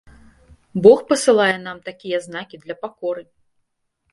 Бог пасылае нам такія знакі для пакоры.